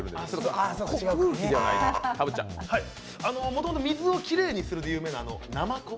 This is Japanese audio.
もともと水をきれいにするで有名な、なまこ？